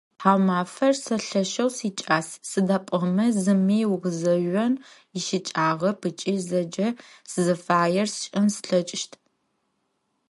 Тхьаумафэр сэ лъэшэу сикӏас, сыда пӏомэ зыми угузэжъон ищыкӏагъэп ыкӏи зэкӏэ сызыфаер сшӏэн слъэкӏыщт.